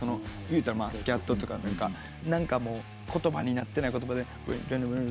言うたらスキャットとか言葉になってない言葉で。